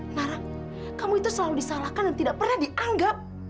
nara kamu itu selalu disalahkan dan tidak pernah dianggap